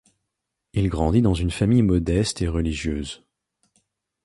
Il grandit dans une famille modeste et religieuse.